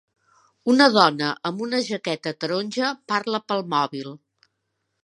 Una dona amb una jaqueta taronja parla pel mòbil.